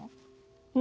うん。